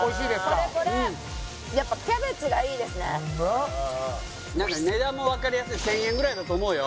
うんやっぱうまっ何か値段も分かりやすい１０００円ぐらいだと思うよ